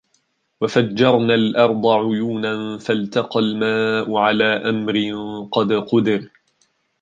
وَفَجَّرنَا الأَرضَ عُيونًا فَالتَقَى الماءُ عَلى أَمرٍ قَد قُدِرَ